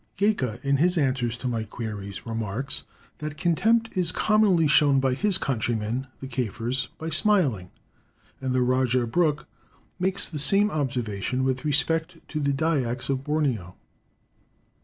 Gaika in his answers to my queries remarks, that contempt is commonly shown by his countrymen, the Kafirs, by smiling; and the Rajah Brooke makes the same observation with respect to the Dyaks of Borneo.